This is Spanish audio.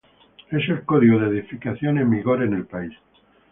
Es el código de edificación en vigor en el país.